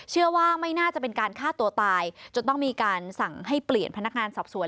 เชื่อว่าไม่น่าจะเป็นการฆ่าตัวตายจนต้องมีการสั่งให้เปลี่ยนพนักงานสอบสวน